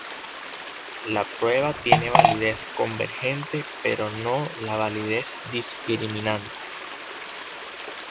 La prueba tiene validez convergente, pero no la validez discriminante.